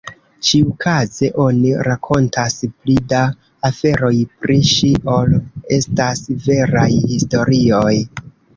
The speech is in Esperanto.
Ĉiukaze oni rakontas pli da aferoj pri ŝi ol estas veraj historioj.